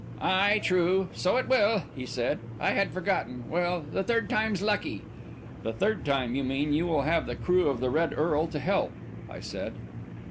"Aye, true; so it will," he said. "I had forgotten. Well, the third time's lucky." "The third time, you mean, you will have the crew of the Red Earl to help," I said.